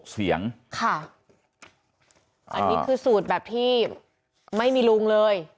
เสียงค่ะอันนี้คือสูตรแบบที่ไม่มีลุงเลย